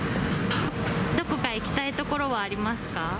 どこか行きたい所はあります